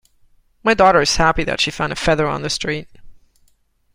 My daughter is happy that she found a feather on the street.